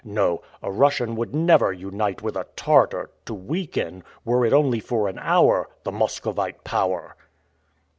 No, a Russian would never unite with a Tartar, to weaken, were it only for an hour, the Muscovite power!"